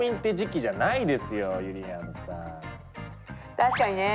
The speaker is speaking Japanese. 確かにねえ！